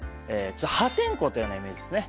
破天荒というようなイメージですね。